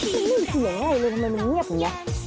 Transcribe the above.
มันไม่เห็นเสียงอะไรเลยมันมันเงียบเหมือนเนี้ย